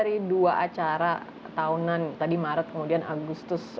dari dua acara tahunan tadi maret kemudian agustus